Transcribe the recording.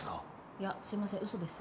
いやすいませんうそです。